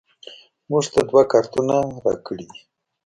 موږ ته دوه کارتونه راکړیدي